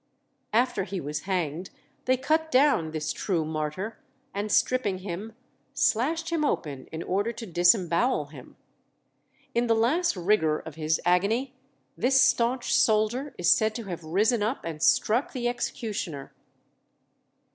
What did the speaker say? After he was hanged they cut down this true martyr, and stripping him, slashed him open in order to disembowel him. In the last rigour of his agony this staunch soldier is said to have risen up and struck the executioner.